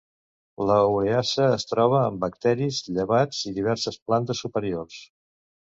La ureasa es troba en bacteris, llevats, i diverses plantes superiors.